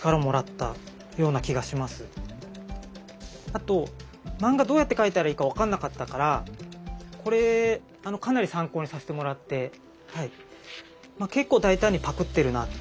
あと漫画どうやって描いたらいいか分かんなかったからこれかなり参考にさせてもらってはい。